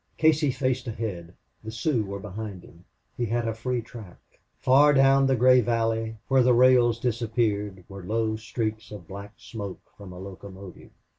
Casey faced ahead. The Sioux were behind him. He had a free track. Far down the gray valley, where the rails disappeared, were low streaks of black smoke from a locomotive.